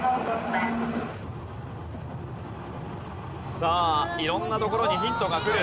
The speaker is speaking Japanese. さあ色んなところにヒントがくる。